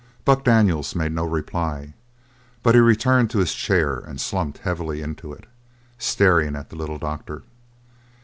Buck Daniels made no reply, but he returned to his chair and slumped heavily into it, staring at the little doctor.